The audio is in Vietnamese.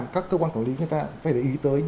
các cơ quan thổ lý chúng ta phải để ý tới